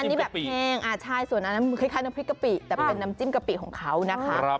อันนี้แบบแห้งใช่ส่วนอันนั้นคล้ายน้ำพริกกะปิแต่มันเป็นน้ำจิ้มกะปิของเขานะคะ